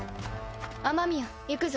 雨宮行くぞ。